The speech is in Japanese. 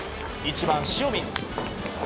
１番、塩見。